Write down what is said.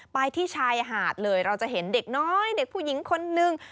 ไปที่ชายหาดเลยเราจะเห็นเด็กน้อยเด็กผู้หญิงคนนึง